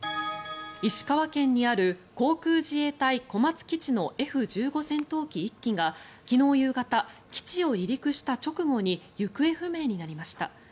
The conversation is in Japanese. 石川県にある航空自衛隊小松基地のＦ１５戦闘機１機が昨日夕方、基地を離陸した直後に行方不明になりました。